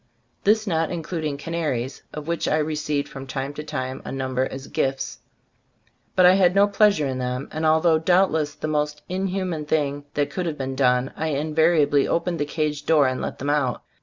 This not including canaries, of which I re ceived from time to time a number as gifts ; but I had no pleasure in them, and although doubtless the most in human thing that could have been done, I invariably opened the cage door and let them out.